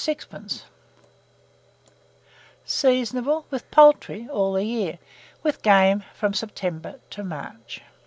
Seasonable, with poultry, all the year; with game, from September to March.